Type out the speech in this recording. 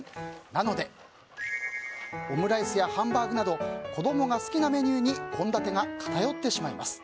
なのでオムライスやハンバーグなど子供が好きなメニューに献立が偏ってしまいます。